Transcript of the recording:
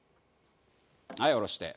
はい下ろして。